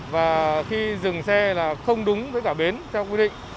và khi dừng xe là không đúng với cả bến theo quy định